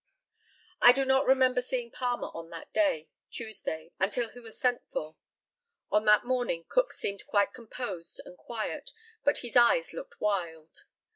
I do not remember seeing Palmer on that day (Tuesday) until he was sent for. On that morning Cook seemed quite composed and quiet, but his eyes looked wild.